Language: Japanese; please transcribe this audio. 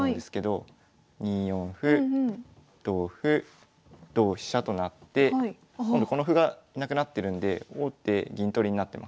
２四歩同歩同飛車となって今度この歩がなくなってるんで王手銀取りになってます。